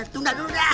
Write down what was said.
tunggak dulu dah